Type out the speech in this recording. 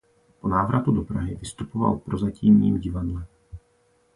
Po návratu do Prahy vystupoval v Prozatímním divadle.